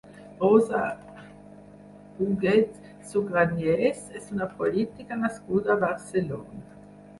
Rosa Huguet Sugranyes és una política nascuda a Barcelona.